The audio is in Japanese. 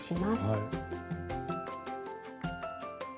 はい。